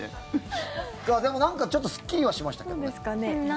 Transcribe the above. でも、なんかちょっとすっきりはしましたけどね。